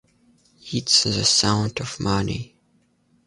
It's the sound of money.